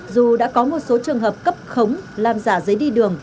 dù đã có một số trường hợp cấp khống làm giả giấy đi đường